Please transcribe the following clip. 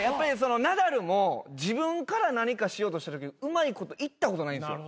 ナダルも自分から何かしようとしたときうまいこといったことないんですよ。